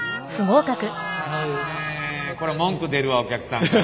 これ文句出るわお客さんから。